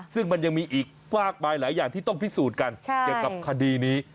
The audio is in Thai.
ซึ่งมันยังมีอีกมากมายหลายอย่างที่ต้องพิสูจน์กันเกี่ยวกับคดีนี้